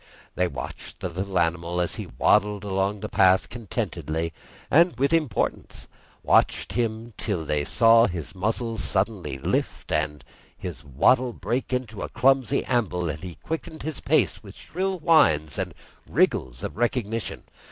They watched the little animal as he waddled along the path contentedly and with importance; watched him till they saw his muzzle suddenly lift and his waddle break into a clumsy amble as he quickened his pace with shrill whines and wriggles of recognition.